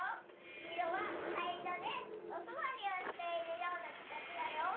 いろははいいろでおすわりをしているようなかたちだよ。